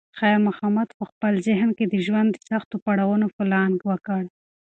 خیر محمد په خپل ذهن کې د ژوند د سختو پړاوونو پلان وکړ.